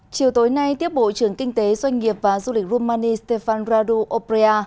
chiều tối nay tiếp bộ trưởng kinh tế doanh nghiệp và du lịch rumani stefano radu oprea